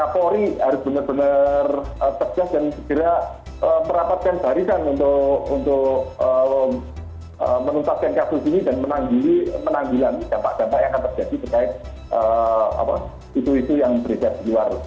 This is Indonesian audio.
nah polri harus benar benar tegas dan segera merapatkan barisan untuk menutupkan kasus ini dan menanggilan dampak dampak yang akan terjadi terkait situasi yang terjadi di luar